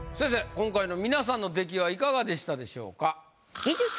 今回の皆さんの出来はいかがでしたでしょうか？